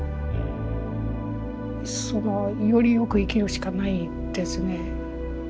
そのより善く生きるしかないですね。